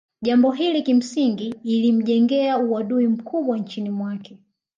Jambo hili kimsingi ilimjengea uadui mkubwa nchini mwake